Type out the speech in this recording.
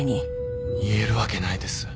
言えるわけないです。